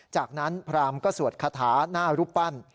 จากนั้นพรามก็สวดคาถาหน้ารูปปั้น